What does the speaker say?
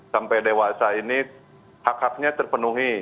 sampai dewasa ini hak haknya terpenuhi